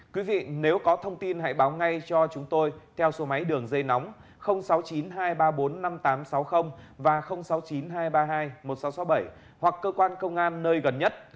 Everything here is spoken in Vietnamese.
quý vị nếu có thông tin hãy báo ngay cho chúng tôi theo số máy đường dây nóng sáu mươi chín hai trăm ba mươi bốn năm nghìn tám trăm sáu mươi và sáu mươi chín hai trăm ba mươi hai một nghìn sáu trăm sáu mươi bảy hoặc cơ quan công an nơi gần nhất